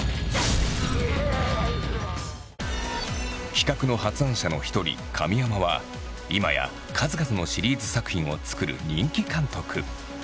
企画の発案者の一人神山は今や数々のシリーズ作品を作る人気監督。